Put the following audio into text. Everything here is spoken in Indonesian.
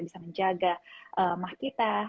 bisa menjaga mah kita